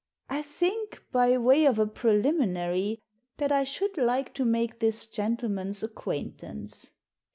" I think, by way of a preliminary, that I should like to make this gentleman's acquaintance."